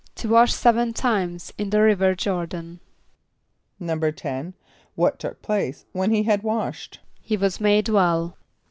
=To wash seven times in the river Jôr´dan.= =10.= What took place when he had washed? =He was made well.